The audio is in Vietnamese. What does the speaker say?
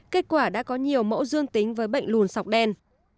kết quả đã có nhiều mẫu dương tính với bệnh lùn sọc đen